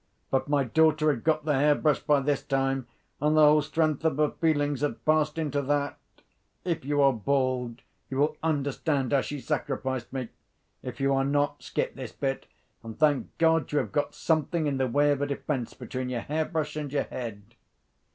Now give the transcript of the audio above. But my daughter had got the hair brush by this time, and the whole strength of her feelings had passed into that. If you are bald, you will understand how she sacrificed me. If you are not, skip this bit, and thank God you have got something in the way of a defence between your hair brush and your head.